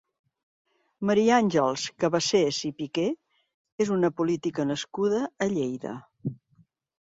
Maria Àngels Cabasés i Piqué és una política nascuda a Lleida.